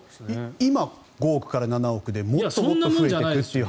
今、５億から７億でもっともっと増えていくと。